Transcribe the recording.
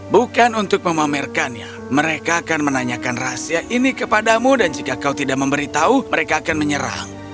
bukan untuk memamerkannya mereka akan menanyakan rahasia ini kepadamu dan jika kau tidak memberitahu mereka akan menyerang